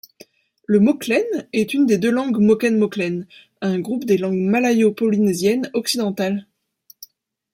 Le moklen est une des deux langues moken-moklen, un groupe des langues malayo-polynésiennes occidentales.